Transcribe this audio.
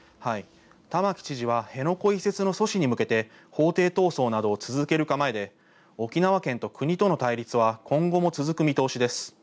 玉城知事は辺野古移設の阻止に向けて法廷闘争などを続ける構えで沖縄県と国との対立は今後も続く見通しです。